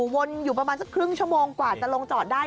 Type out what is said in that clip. วนอยู่ประมาณสักครึ่งชั่วโมงกว่าจะลงจอดได้